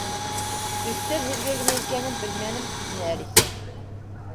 — Өҫтәл һеҙгә генә икәнен белмәнем, — тине Әлисә.